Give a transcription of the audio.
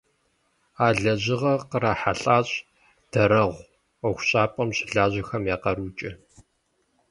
А лэжьыгъэр кърахьэлӀащ «Дарэгъу» ӀуэхущӀапӀэм щылажьэхэм я къарукӀэ.